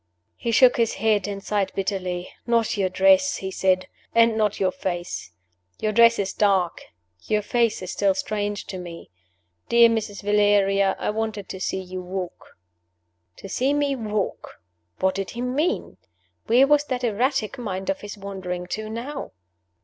He shook his head, and sighed bitterly. "Not your dress," he said; "and not your face. Your dress is dark. Your face is still strange to me. Dear Mrs. Valeria, I wanted to see you walk." To see me walk! What did he mean? Where was that erratic mind of his wandering to now?